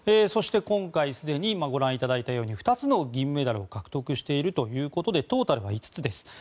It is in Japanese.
そして、今回すでにご覧いただいたように２つの銀メダルを獲得しているということでトータルは５つです。